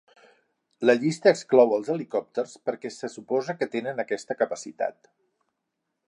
La llista exclou als helicòpters perquè se suposa que tenen aquesta capacitat.